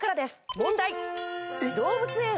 問題。